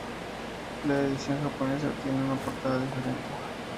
La edición japonesa tiene una portada diferente.